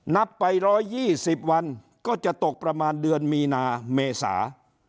นับไป๑๒๐วันก็จะตกประมาณเดือนมีนาเมษา